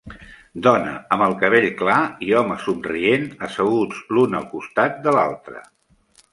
Dona amb el cabell clar i home somrient, asseguts l'un al costat de l'altre.